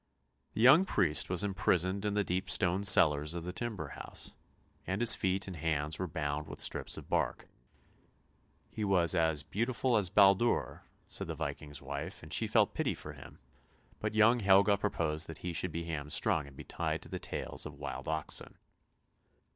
The young priest was imprisoned in the deep stone cellars of the timber house, and his feet and hands were bound with strips of bark. He was as " beautiful as Baldur," said the Viking's wife, and she felt pity for him, but young Helga proposed that he should be hamstrung and be tied to the tails of wild oxen.